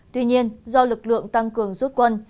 tuy nhiên do lực lượng tăng cường rút quân